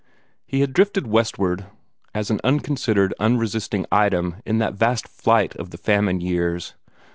He had drifted westward as an unconsidered, unresisting item in that vast flight of the famine years.